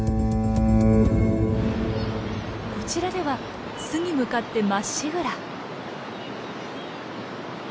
こちらでは巣に向かってまっしぐら。